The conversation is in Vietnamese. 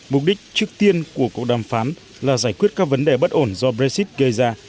mục đích trước tiên của cuộc đàm phán là giải quyết các vấn đề bất ổn do brexit gây ra